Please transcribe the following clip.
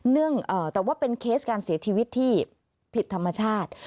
แต่ว่าเป็นเคสการเสียชีวิตที่ผิดธรรมชาติ